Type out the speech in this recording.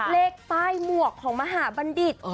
เลขป้ายหมวกของมหาบัณฑิต